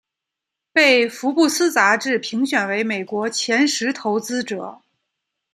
被福布斯杂志评选为美国前十投资者。